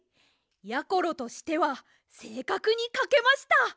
やころとしてはせいかくにかけました。